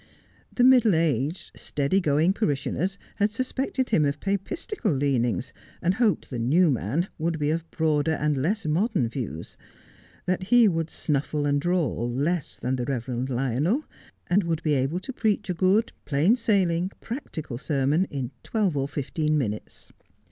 The middle aged, steady going parishioners had suspected him of Papistical leanings, and hoped the new man would be of broader and less modern views ; that he would snuffle and drawl less than the Reverend Lionel, and would be able to preach a good, plain sailing, practical sermon in twelve or fifteen minutes.